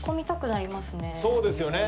そうですよね。